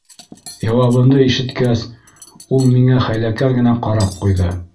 Яуабымды ишеткәс, ул миңә хәйләкәр генә ҡарап ҡуйҙы.